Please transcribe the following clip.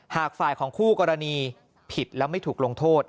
หากฝ่ายของคู่กรณีผิดแล้วไม่ถูกลงโทษ